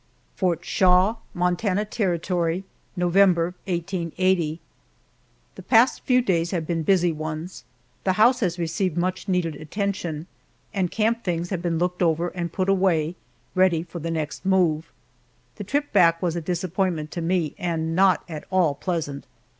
FORT SHAW, MONTANA TERRITORY, November, 1880. THE past few days have been busy ones. The house has received much needed attention and camp things have been looked over and put away, ready for the next move. The trip back was a disappointment to me and not at all pleasant.